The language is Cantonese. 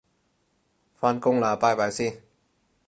返工喇拜拜先